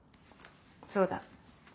そうだ。